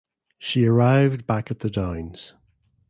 She arrived back at the Downs.